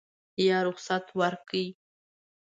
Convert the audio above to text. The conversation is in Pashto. یا رخصت ورکړي.